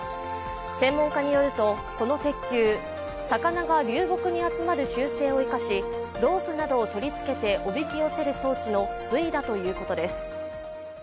専門家によると、この鉄球魚が流木に集まる習性を生かしロープなどを取り付けておびき寄せる装置のブイだということです。